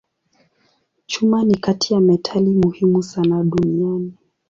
Chuma ni kati ya metali muhimu sana duniani.